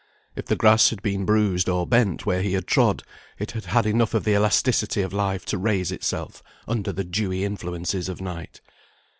If the grass had been bruised or bent where he had trod, it had had enough of the elasticity of life to raise itself under the dewy influences of night.